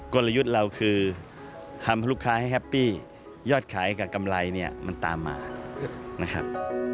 กลยุทธ์เราคือทำให้ลูกค้าให้แฮปปี้ยอดขายกับกำไรเนี่ยมันตามมานะครับ